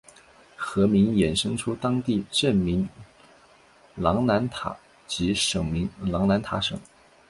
河名衍生出当地镇名琅南塔及省名琅南塔省。